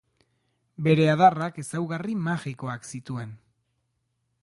Bere adarrak ezaugarri magikoak zituen.